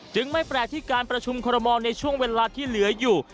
ไม่แปลกที่การประชุมคอรมอลในช่วงเวลาที่เหลืออยู่